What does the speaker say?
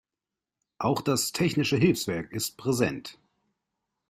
Auch das Technische Hilfswerk ist präsent.